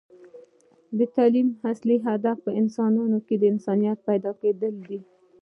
د تعلیم اصل هدف په انسان کې انسانیت پیدا کیدل دی